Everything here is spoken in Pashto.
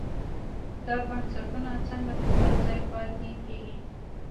دا بنسټونه څنګه په خپل ځای پاتې کېږي.